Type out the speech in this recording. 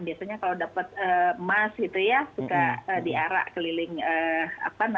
biasanya kalau dapat emas gitu ya suka diarak keliling kota gitu ya